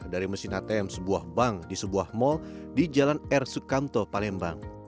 dari mesin atm sebuah bank di sebuah mal di jalan r sukamto palembang